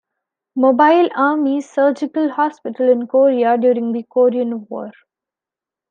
Mobile Army Surgical Hospital in Korea during the Korean War.